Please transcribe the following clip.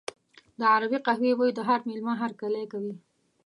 د عربي قهوې بوی د هر مېلمه هرکلی کوي.